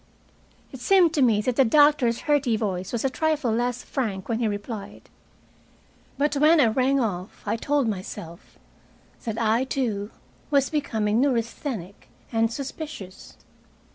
It seemed to me that the doctor's hearty voice was a trifle less frank when he replied. But when I rang off I told myself that I, too, was becoming neurasthenic and suspicious.